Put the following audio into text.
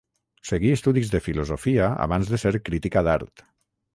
Seguí estudis de filosofia abans de ser crítica d'art.